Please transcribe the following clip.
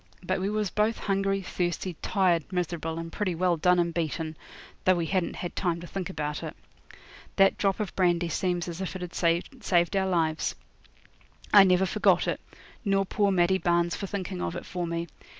But we was both hungry, thirsty, tired, miserable, and pretty well done and beaten, though we hadn't had time to think about it. That drop of brandy seemed as if it had saved our lives. I never forgot it, nor poor Maddie Barnes for thinking of it for me.